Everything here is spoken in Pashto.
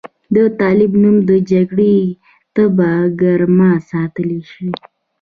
د طالب نوم د جګړې تبه ګرمه ساتلی شي.